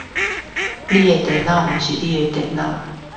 你的電腦不是你的電腦